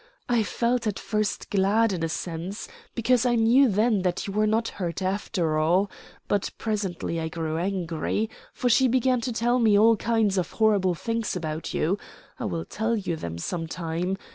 I felt at first glad in a sense, because I knew then that you were not hurt after all; but presently I grew angry, for she began to tell me all kinds of horrible things about you; I will tell you them some time.